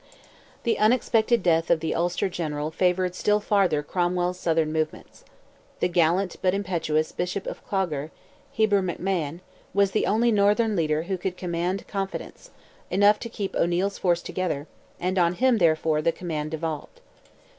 The unexpected death of the Ulster general favoured still farther Cromwell's southern movements. The gallant, but impetuous Bishop of Clogher, Heber McMahon, was the only northern leader who could command confidence enough to keep O'Neil's force together, and on him, therefore, the command devolved.